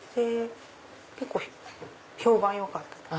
結構評判良かったんです。